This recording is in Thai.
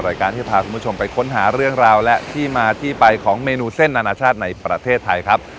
รายการที่พาคุณผู้ชมไปค้นหาเรื่องราวและที่มาที่ไปของเมนูเส้นอนาชาติในประเทศไทยครับ